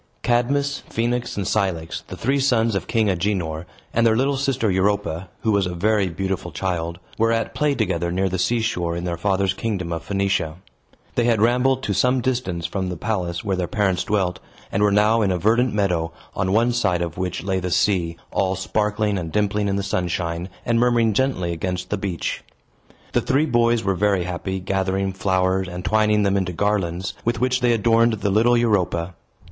Cadmus, Phoenix, and Cilix, the three sons of King Agenor, and their little sister Europa (who was a very beautiful child), were at play together near the seashore in their father's kingdom of Phoenicia. They had rambled to some distance from the palace where their parents dwelt, and were now in a verdant meadow, on one side of which lay the sea, all sparkling and dimpling in the sunshine, and murmuring gently against the beach. The three boys were very happy, gathering flowers, and twining them into garlands, with which they adorned the little Europa.